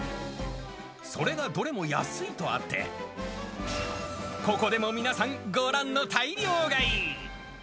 それがどれも安いとあって、ここでも皆さん、ご覧の大量買い。